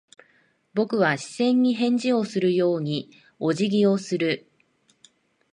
僕は視線に返事をするようにお辞儀をする。